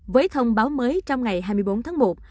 với thông báo mới trong ngày hai mươi bốn tháng một